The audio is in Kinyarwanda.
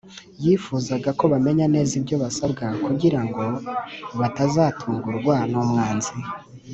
yifuzaga ko bamenya neza ibyo basabwa, kugira ngo batazatungurwa n’umwanzi